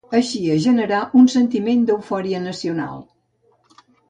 Així es generà un sentiment d'eufòria nacional.